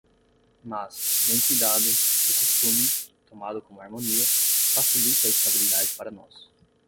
Mas, bem cuidado, o costume, tomado como harmonia, facilita a estabilidade para nós.